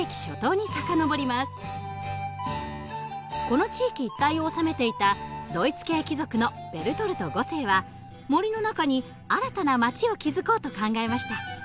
この地域一帯を治めていたドイツ系貴族のベルトルト５世は森の中に新たな街を築こうと考えました。